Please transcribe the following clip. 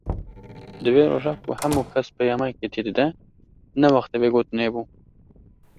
Di vê roja ku hemû kes peyama yekitiyê dide, ne wextê vê gotinê bû.